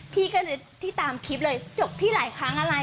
พี่ก็เลยที่ตามคลิปเลยจบพี่หลายครั้งอะไร